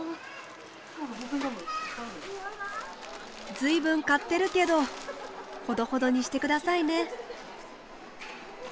随分買ってるけどほどほどにしてくださいね。